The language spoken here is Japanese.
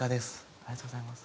ありがとうございます。